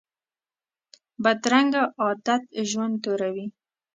بدرنګه عادت ژوند توروي